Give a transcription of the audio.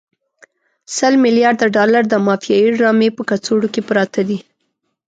سل ملیارده ډالر د مافیایي ډرامې په کڅوړو کې پراته دي.